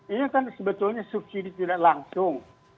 ini kan sebetulnya subsidi tidak langsung